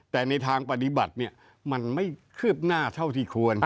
แต่ในทางปฏิบัติมันไม่คืบหน้าเท่าที่ควร